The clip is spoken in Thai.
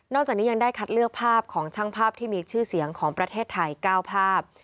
จากนี้ยังได้คัดเลือกภาพของช่างภาพที่มีชื่อเสียงของประเทศไทย๙ภาพ